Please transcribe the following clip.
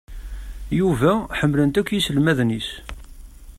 Yuba, ḥemmlen-t akk yiselmaden-is